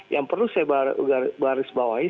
yang perlu saya garis bawahi